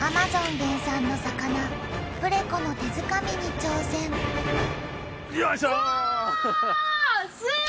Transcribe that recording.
原産の魚プレコの手づかみに挑戦わあっ！